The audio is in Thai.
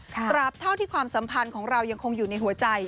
ตราบเท่าที่ความสัมพันธ์ของเรายังคงอยู่ในหัวใจ